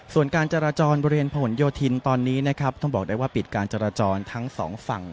ส่วนการจราจรบริเวณผนโยธินตอนนี้นะครับต้องบอกได้ว่าปิดการจราจรทั้งสองฝั่ง